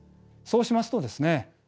そうしますとですね